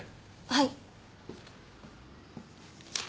はい。